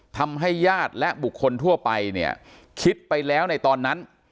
ทำให้ญาติและบุคคลทั่วไปเนี่ยคิดไปแล้วในตอนนั้น